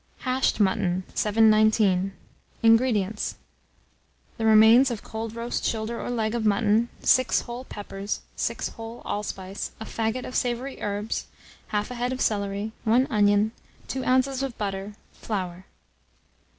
HASHED MUTTON. 719. INGREDIENTS. The remains of cold roast shoulder or leg of mutton, 6 whole peppers, 6 whole allspice, a faggot of savoury herbs, 1/2 head of celery, 1 onion, 2 oz. of butter, flour.